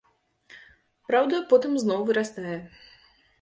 Праўда, потым зноў вырастае.